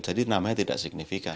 jadi namanya tidak signifikan